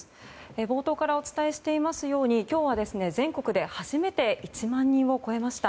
冒頭からお伝えしていますように今日は全国で初めて１万人を超えました。